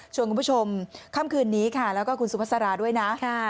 คุณผู้ชมค่ำคืนนี้ค่ะแล้วก็คุณสุภาษาราด้วยนะ